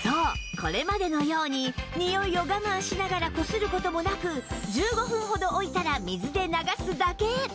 これまでのようににおいを我慢しながらこする事もなく１５分ほど置いたら水で流すだけ！